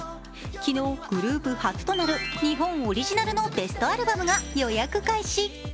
昨日、グループ初となる日本オリジナルのベストアルバムが予約開始。